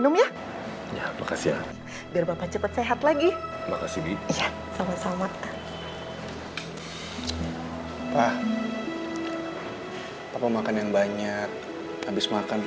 masa ini cuma makinhee badass amat